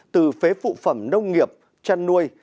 từ phế phụ phẩm nông nghiệp chăn nuôi